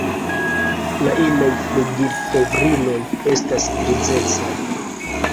La inaj flugilkovriloj estas grizecaj.